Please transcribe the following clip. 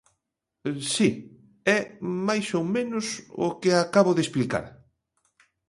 Si, é máis ou menos o que acabo de explicar.